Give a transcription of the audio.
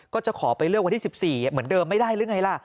ก็จะขอไปเลือกวันที่๑๔เหมือนเดิมไม่ได้หรือไงล่ะ